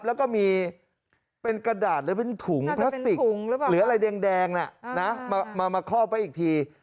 แล้วก็มีเป็นกระดาษหรือเป็นถุงพลาสติกหรืออะไรแดงมาครอบไว้อีกที